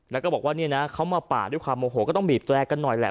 แล้วก็บอกว่าเนี่ยนะเขามาป่าด้วยความโมโหก็ต้องบีบแตรกันหน่อยแหละ